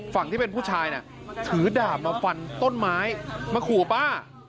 ฝั่งที่เป็นผู้ชายน่ะถือดาบมาฟันต้นไม้มาขู่ป้า